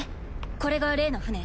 これが例の船？